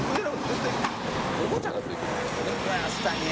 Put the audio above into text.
絶対おもちゃが付いてくるっていうね。